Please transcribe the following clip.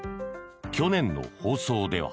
去年の放送では。